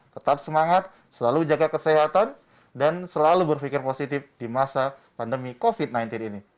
tetap semangat selalu jaga kesehatan dan selalu berpikir positif di masa pandemi covid sembilan belas ini